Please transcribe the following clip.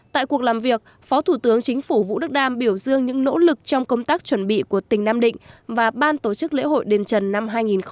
tại cuộc làm việc phó thủ tướng chính phủ vũ đức đam biểu dương những nỗ lực trong công tác chuẩn bị của tỉnh nam định và ban tổ chức lễ hội đền trần năm hai nghìn một mươi chín